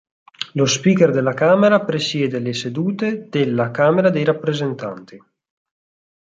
Lo speaker della Camera presiede le sedute della Camera dei rappresentanti.